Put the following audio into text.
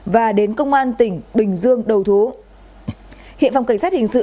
và đến công an tỉnh bình dương đầu thú